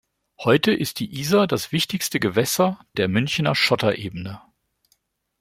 Heute ist die Isar das wichtigste Gewässer der Münchner Schotterebene.